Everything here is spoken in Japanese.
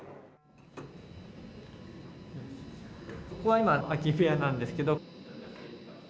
ここは今、空き部屋なんですけど。